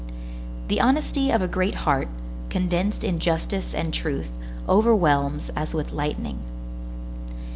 The honesty of a great heart, condensed in justice and truth, overwhelms as with lightning.